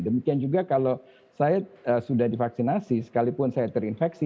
demikian juga kalau saya sudah divaksinasi sekalipun saya terinfeksi